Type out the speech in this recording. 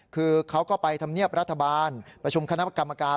คือเขาก็ไปทำเนียบรัฐบาลประชุมคณะกรรมการ